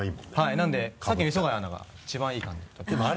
なのでさっきの磯貝アナが一番いい感じで取ってました。